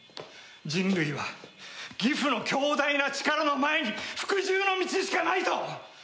人類はギフの強大な力の前に服従の道しかないと！